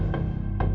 tidak dia bawa wulan